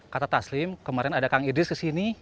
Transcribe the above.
kata taslim kemarin ada kang idris kesini